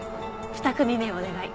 ２組目お願い。